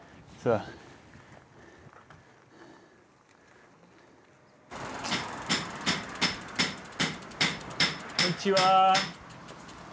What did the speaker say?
ああこんにちは。